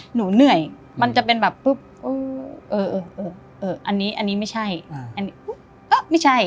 หนูเหนื่อยมันจะเป็นแบบปุ๊บเอออันนี้อันนี้ไม่ใช่อันนี้ปุ๊บไม่ใช่